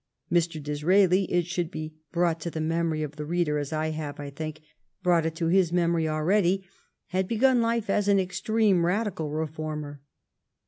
Mr. Disraeli, it should be brought to the memory of the reader, as I have, I think, brought it to his memory already, had begun life as an extreme Radical reformer.